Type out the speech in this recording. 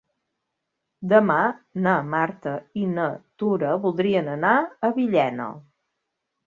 Demà na Marta i na Tura voldrien anar a Villena.